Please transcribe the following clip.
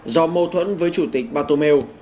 do mâu thuẫn với chủ tịch bartomeu